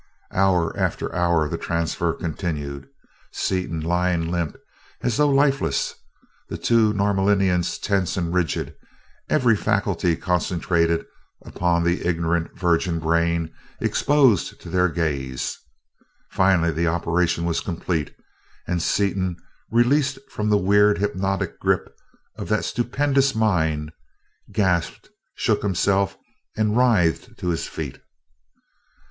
Hour after hour the transfer continued, Seaton lying limp as though lifeless, the two Norlaminians tense and rigid, every faculty concentrated upon the ignorant, virgin brain exposed to their gaze. Finally the operation was complete and Seaton, released from the weird, hypnotic grip of that stupendous mind, gasped, shook himself, and writhed to his feet.